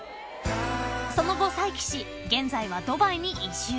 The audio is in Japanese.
［その後再起し現在はドバイに移住］